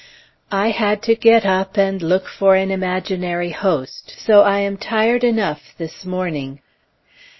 I had to get up and look for an imaginary host, so I am tired enough this morning.